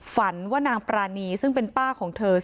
ฝันว่านางปรานีซึ่งเป็นป้าของเธอ